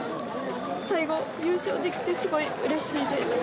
最後、優勝できて、すごいうれしいです。